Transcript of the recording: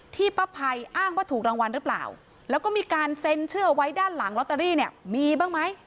ป้าภัยอ้างว่าถูกรางวัลหรือเปล่าแล้วก็มีการเซ็นเชื่อไว้ด้านหลังลอตเตอรี่เนี่ยมีบ้างไหม